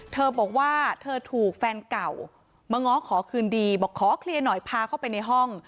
เธอบอกว่าเธอถูกแฟนเก่ามาง้อขอคืนดีบอกขอเคลียร์หน่อยพาเข้าไปในห้อง